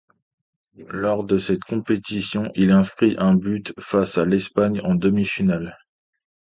Lors de cette compétition, il inscrit un but face à l'Espagne en demi-finale.